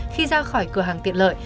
khi ra khỏi cửa hàng tiện lợi